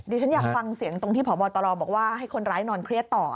ฉันอยากฟังเสียงตรงที่พบตรบอกว่าให้คนร้ายนอนเครียดต่อ